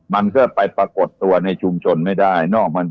มันก็ไปปรากฏตัวในชุมชนไม่ได้นอกมัน